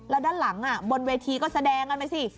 แล้วด้านหลังบนเวทีก็แสดงกันไปสิ